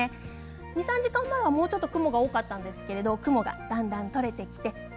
２、３時間前は、もうちょっと雲が多かったんですがだんだん取れてきました。